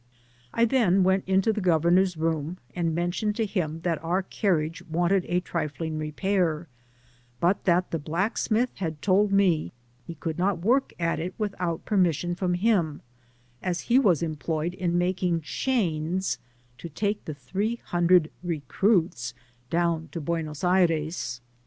I then went into the gotemcH^'s room) and mentioned to him that our carriage wanted a trifling repair, but thajt the blabksmith had told me tie could not work at it without per ^ mission from him, as he was employied in making chains to take the three hundred i^ruits ddwn to Buehos Aires.